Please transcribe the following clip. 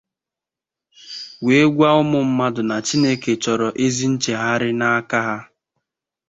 wee gwa ụmụ mmadụ na Chineke chọrọ ezi nchegharị n'aka ha